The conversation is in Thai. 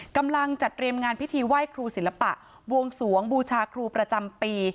กำลังจัดเตรียมงานพิธีไหว้ครูศิลปะบวงสวงบูชาครูประจำปี